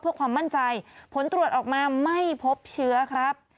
เพื่อความมั่นใจผลตรวจออกมาไม่พบเชื้อครับ